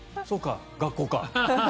そうか、学校か。